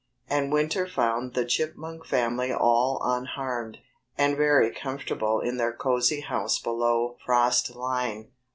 And winter found the Chipmunk family all unharmed, and very comfortable in their cozy house below frost line.